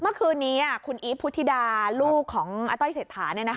เมื่อคืนนี้คุณอีฟพุทธิดาลูกของอาต้อยเศรษฐา